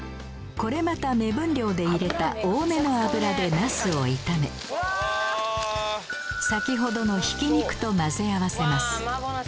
これまた目分量で入れた多めの油でナスを炒め先程のひき肉と混ぜ合わせます